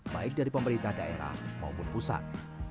baik dari pemerintah daerah maupun pusat